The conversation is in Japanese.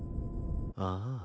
ああ。